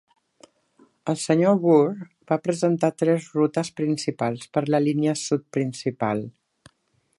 El Sr. Woore va presentar tres rutes principals per la Línia Sud Principal.